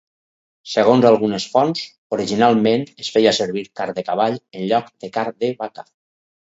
Segons algunes fonts, originalment es feia servir carn de cavall en lloc de carn de vaca.